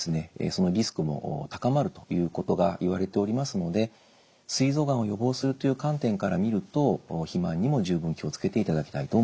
そのリスクも高まるということがいわれておりますのですい臓がんを予防するという観点から見ると肥満にも十分気を付けていただきたいと思います。